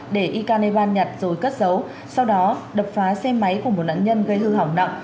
để ikan eban nhặt rồi cất giấu sau đó đập phá xe máy của một nạn nhân gây hư hỏng nặng